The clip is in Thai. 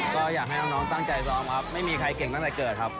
ก็อยากให้น้องตั้งใจซ้อมครับไม่มีใครเก่งตั้งแต่เกิดครับ